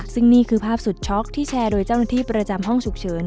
ซึ่งนี่คือภาพสุดช็อกที่แชร์โดยเจ้าหน้าที่ประจำห้องฉุกเฉิน